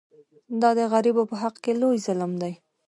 دا د غریبو په حق کې لوی ظلم دی.